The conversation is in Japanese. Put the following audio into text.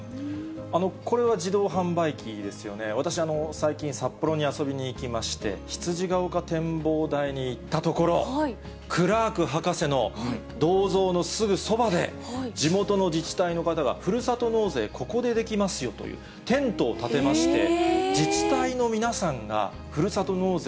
これは自動販売機ですよね、私、最近札幌に遊びに行きまして、ひつじがおか展望台に行ったところ、クラーク博士の銅像のすぐそばで、地元の自治体の方が、ふるさと納税、ここでできますよというテントを立てまして、自治体の皆さんがふるさと納税